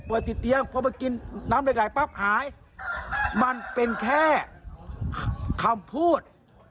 ติดเตียงพอมากินน้ำเหล็กไหลปั๊บหายมันเป็นแค่คำพูด